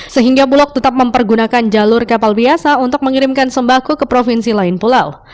sehingga bulog tetap mempergunakan jalur kapal biasa untuk mengirimkan sembako ke provinsi lain pulau